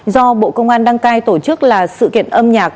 do bộ công an đăng cai tổ chức là sự kiện âm nhạc